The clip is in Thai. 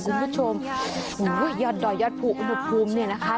คุณผู้ชมยอดดอยยอดภูอุณหภูมิเนี่ยนะคะ